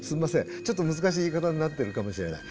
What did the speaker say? ちょっと難しい言い方になってるかもしれない。